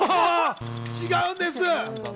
違うんです。